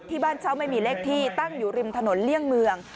บ้านเช่าไม่มีเลขที่ตั้งอยู่ริมถนนเลี่ยงเมือง